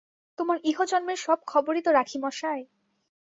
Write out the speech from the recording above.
তোমার ইহজন্মের সব খবরই তো রাখি, মশায়।